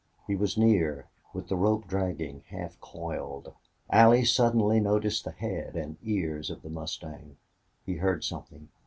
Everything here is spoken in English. He was near, with the rope dragging, half coiled. Allie suddenly noticed the head and ears of the mustang. He heard something.